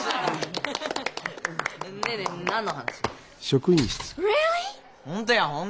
ねえねえ何の話？